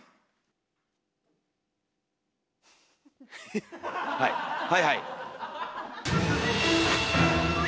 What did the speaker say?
ヘヘはいはいはい。